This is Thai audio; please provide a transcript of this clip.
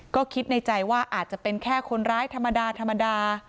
ก็คิดในใจว่าอาจจะเป็นแค่คนร้ายธรรมดาธรรมดา